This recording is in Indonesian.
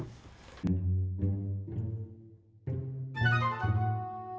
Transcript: sampe aku mau cuman ngahatch video gue